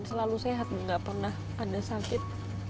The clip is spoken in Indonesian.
dan selalu sehat gak pernah ada sakit